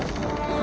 あ。